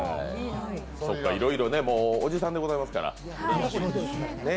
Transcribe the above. いろいろね、もうおじさんでございますから。